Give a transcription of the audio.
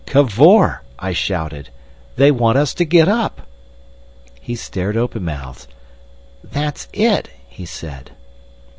"Cavor," I shouted, "they want us to get up!" He stared open mouthed. "That's it!" he said.